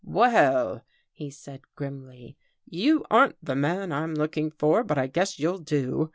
" Well," he said grimly, " you aren't the man I'm looking for, but I guess you'll do.